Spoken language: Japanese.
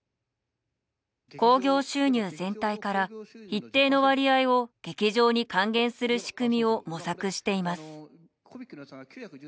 興行収入全体から一定の割合を劇場に還元する仕組みを模索しています。